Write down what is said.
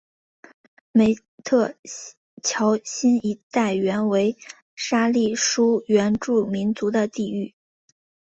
梅特乔辛一带原为沙利殊原住民族的地域。